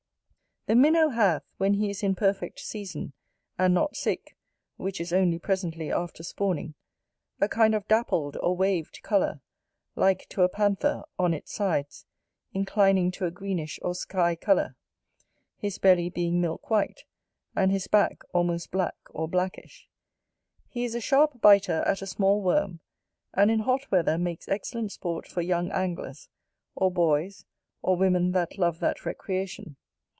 The MINNOW hath, when he is in perfect season, and not sick, which is only presently after spawning, a kind of dappled or waved colour, like to a panther, on its sides, inclining to a greenish or sky colour; his belly being milk white; and his back almost black or blackish. He is a sharp biter at a small worm, and in hot weather makes excellent sport for young anglers, or boys, or women that love that recreation.